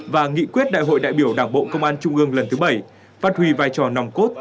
và nghị quyết đại hội đại biểu đảng bộ công an trung ương lần thứ bảy phát huy vai trò nòng cốt